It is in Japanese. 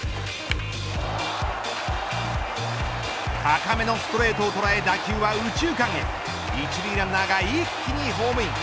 高めのストレートを捉え打球は右中間へ１塁ランナーが一気にホームイン。